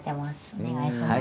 お願いします